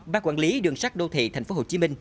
ba quản lý đường sắt đô thị tp hcm